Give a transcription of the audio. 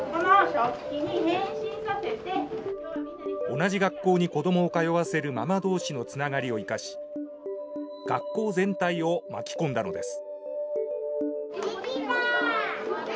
同じ学校に子どもを通わせるママ同士のつながりを生かし学校全体を巻きこんだのです。